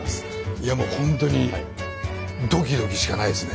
いやもうほんとにドキドキしかないですね。